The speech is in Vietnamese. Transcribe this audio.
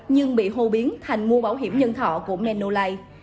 nhưng bị hô biến thành mua bảo hiểm nhân thọ của menolai